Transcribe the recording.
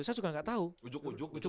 saya juga gak tau ujuk ujuk gitu datang